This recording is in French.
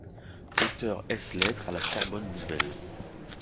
Docteur ès lettres à la Sorbonne Nouvelle.